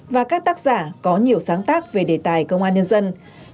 và các tác giả có nhiều sáng tác về đề tài công an nhân dân